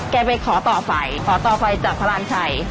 ไปขอต่อไฟขอต่อไฟจากพระราณชัย